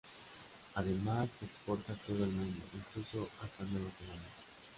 Además se exporta a todo el mundo, incluso hasta Nueva Zelanda.